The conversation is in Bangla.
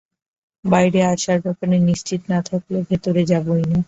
বাইরে আসার ব্যাপারে নিশ্চিত না থাকলে, ভেতরেই যাবো না।